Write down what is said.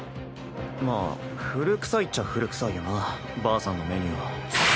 まあ古くさいっちゃ古くさいよなばあさんのメニューは。